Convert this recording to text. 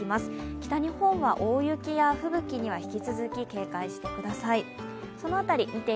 北日本は大雪や吹雪には引き続き警戒してください。